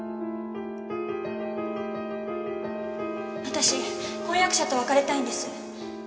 私婚約者と別れたいんです。